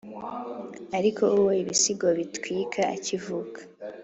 ariko uwo ibisigo bitwika akivuka